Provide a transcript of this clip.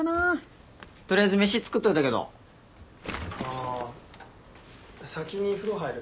あ先に風呂入る。